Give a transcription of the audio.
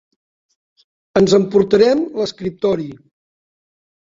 Ens emportarem l'escriptori.